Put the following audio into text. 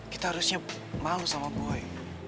kita harusnya malu sama buoy